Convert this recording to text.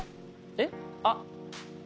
えっ？あっ。